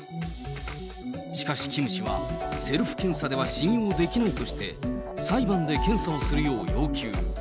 しかしキム氏はセルフ検査では信用できないとして、裁判で検査をするよう要求。